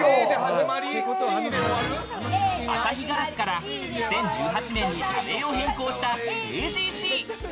旭硝子から２０１８年に社名を変更したＡＧＣ。